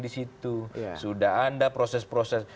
di situ sudah ada proses proses